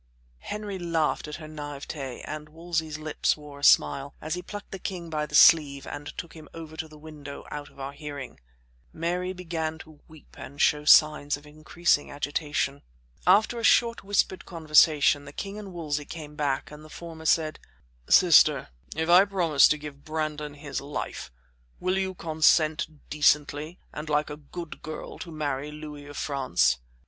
Henry laughed at her naïveté, and Wolsey's lips wore a smile, as he plucked the king by the sleeve and took him over to the window, out of our hearing. Mary began to weep and show signs of increasing agitation. After a short whispered conversation, the king and Wolsey came back and the former said: "Sister, if I promise to give Brandon his life, will you consent decently and like a good girl to marry Louis of France?"